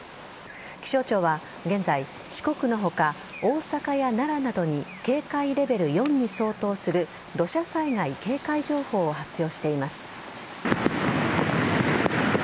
気象庁は現在四国の他大阪や奈良などに警戒レベル４に相当する土砂災害警戒情報を発表しています。